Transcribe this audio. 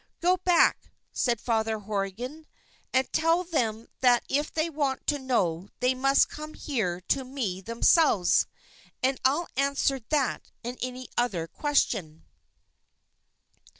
"Go back," said Father Horrigan, "and tell them that if they want to know they must come here to me themselves, and I'll answer that and any other question."